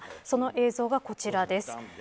その映像がこちらです。